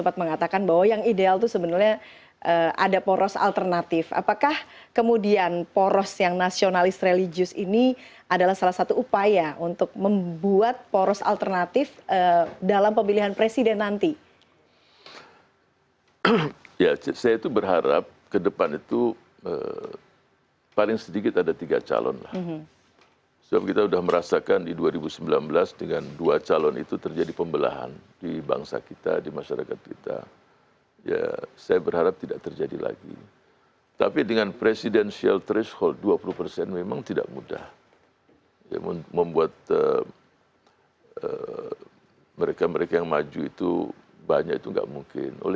terima kasih anda masih bersama kami